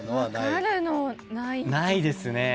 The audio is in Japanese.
ないですね。